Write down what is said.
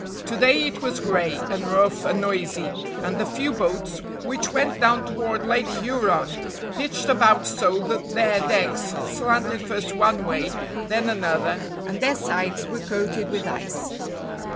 To day it was grey, and rough and noisy, and the few boats, which went down toward Lake Huron, pitched about so that their decks slanted first one way, then another, and their sides were coated with ice.